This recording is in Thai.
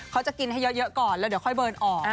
เค้าจะกินให้เยอะก่อนแล้วค่อยเบิร์นออก